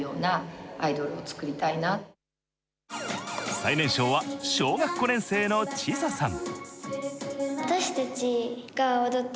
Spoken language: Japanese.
最年少は、小学５年生のチサさん。